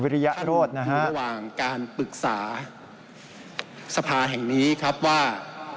ริยโรธนะฮะระหว่างการปรึกษาสภาแห่งนี้ครับว่า